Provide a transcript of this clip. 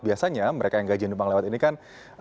biasanya mereka yang gaji numpang lewat ini kan